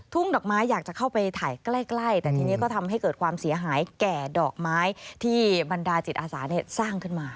ดอกไม้อยากจะเข้าไปถ่ายใกล้แต่ทีนี้ก็ทำให้เกิดความเสียหายแก่ดอกไม้ที่บรรดาจิตอาสาสร้างขึ้นมา